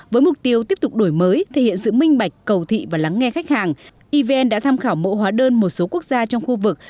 với mục tiêu tiếp tục đổi mới thể hiện sự minh bạch cầu thị và lắng nghe khách hàng evn đã tham khảo mẫu hóa đơn một số quốc gia trong khu vực